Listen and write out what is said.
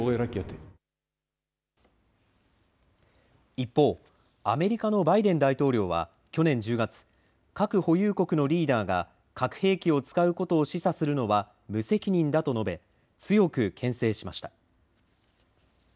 一方、アメリカのバイデン大統領は去年１０月、核保有国のリーダーが、核兵器を使うことを示唆するのは、無責任だと述べ、強くけん制しました。